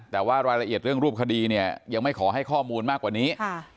แต่ว่ารายละเอียดเรื่องรูปคดีเนี่ยยังไม่ขอให้ข้อมูลมากกว่านี้